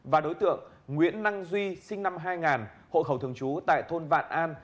và đối tượng nguyễn năng duy sinh năm hai nghìn hộ khẩu thường trú tại thôn vạn an